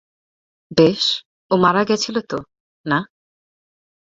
বেশ, ও মারা গেছিল, তো, না।